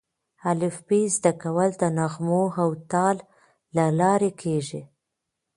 الفبې زده کول د نغمو او تال له لارې کېږي.